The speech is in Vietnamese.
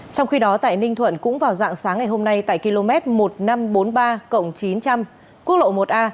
trong khi đó tại ninh thuận cũng vào dạng sáng ngày hôm nay tại km một nghìn năm trăm bốn mươi ba chín trăm linh quốc lộ một a